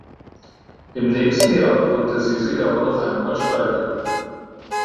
Im nächsten Jahr konnte sie sich aber noch einmal steigern.